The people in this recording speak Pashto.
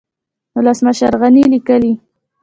ولسمشر غني ليکلي